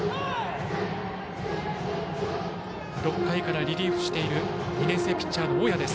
６回からリリーフしている２年生ピッチャーの大矢。